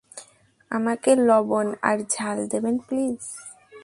আমাকে লবণ আর ঝাল দেবেন প্লিজ।